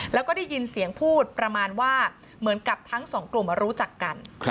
แล้วก็ได้ยินเสียงพูดประมาณว่าเหมือนกับทั้งสองกลุ่มรู้จักกัน